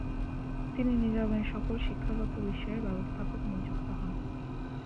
তিনি নিজামের সকল শিক্ষাগত বিষয়ের ব্যবস্থাপক নিযুক্ত হন।